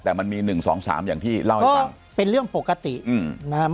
แต่มันมีหนึ่งสองสามอย่างที่เล่าให้ฟังเป็นเรื่องปกติอืมนะฮะ